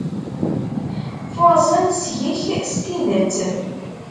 Furṣen seg-k s tidet.